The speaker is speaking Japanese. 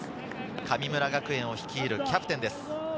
神村学園を率いるキャプテンです。